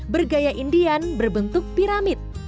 bergaya indian berbentuk piramid